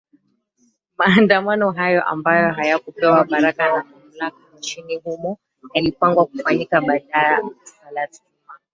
maandamano hayo ambayo hayakupewa baraka na mamlaka nchini humo yalipangwa kufanyika baada salat jumaa